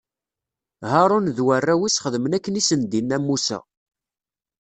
Haṛun d warraw-is xedmen akken i sen-d-inna Musa.